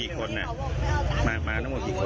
สูญจอดรถแล้วและก็กำลังจะติดตัว